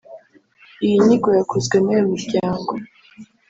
Iyi nyigo yakozwe n’uyu muryango